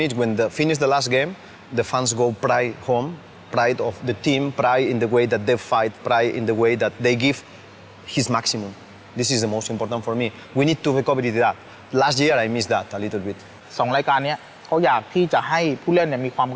หลังจากตอนนี้ถ้าเราเกลียดก็ดีกว่า